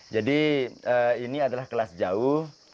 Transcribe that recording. jadi ini adalah kelas jauh